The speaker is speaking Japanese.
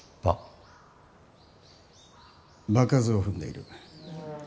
場数を踏んでいる。